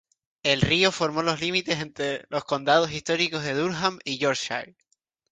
El río formó los límites ente los condados históricos de Durham y Yorkshire.